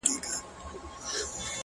مُريد ښه دی ملگرو او که پير ښه دی”